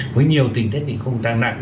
với nhiều tình thiết bị không tăng nặng